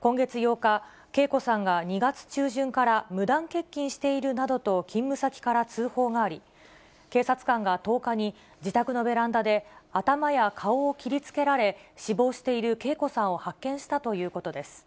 今月８日、啓子さんが２月中旬から無断欠勤しているなどと勤務先から通報があり、警察官が１０日に自宅のベランダで頭や顔を切りつけられ、死亡している啓子さんを発見したということです。